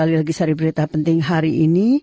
sekali lagi cari berita penting hari ini